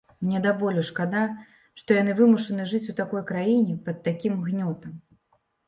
Мне да болю шкада, што яны вымушаны жыць у такой краіне, пад такім гнётам.